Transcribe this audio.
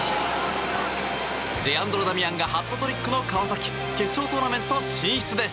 レアンドロ・ダミアンがハットトリックの川崎決勝トーナメント進出です。